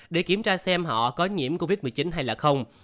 để kiểm tra xem họ có nhiễm covid một mươi chín hay là không